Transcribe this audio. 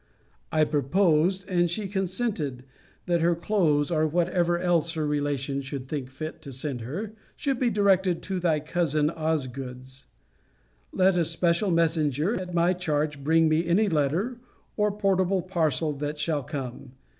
I proposed, and she consented, that her clothes, or whatever else her relations should think fit to send her, should be directed to thy cousin Osgood's. Let a special messenger, at my charge, bring me any letter, or portable parcel, that shall come.